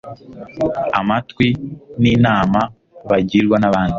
amatwi n'inama bagirwa n'abandi